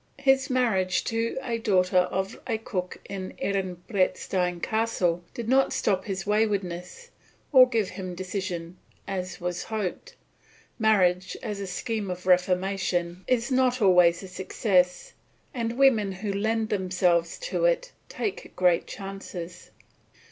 His marriage to a daughter of a cook in Ehrenbreitstein Castle did not stop his waywardness, or give him decision as was hoped. Marriage as a scheme of reformation is not always a success, and women who lend themselves to it take great chances.